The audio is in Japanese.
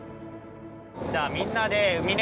じゃあみんなでえ